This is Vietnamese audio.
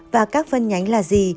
và các phân nhánh là gì